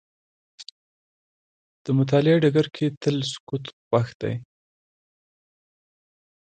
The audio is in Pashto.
د مطالعې ډګر کې تل سکوت خوښ دی.